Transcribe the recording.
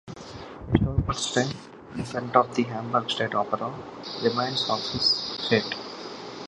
A "Stolperstein" in front of the Hamburg State Opera reminds of his fate.